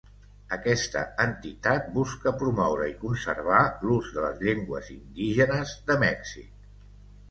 Aquesta entitat busca promoure i conservar l'ús de les llengües indígenes de Mèxic.